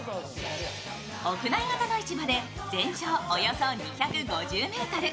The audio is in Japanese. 屋内型の市場で全長およそ２５０ｍ。